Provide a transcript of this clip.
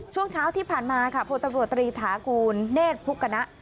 ช่วงเช้าที่ผ่านมาค่ะพลตำรวจตรีถากูลเนธพุกณะ